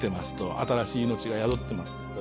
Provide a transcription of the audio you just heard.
新しい命が宿ってます。